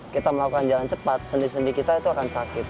kita melakukan jalan cepat sendi sendi kita itu akan sakit